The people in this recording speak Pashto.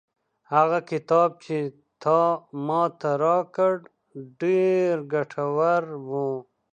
هغه کتاب چې تا ماته راکړ ډېر ګټور و.